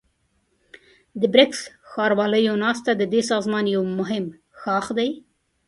د بريکس ښارواليو ناسته ددې سازمان يو مهم ښاخ دی.